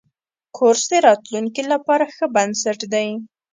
کورس د راتلونکي لپاره ښه بنسټ دی.